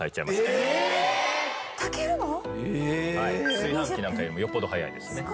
炊飯器なんかよりもよっぽど早いですね。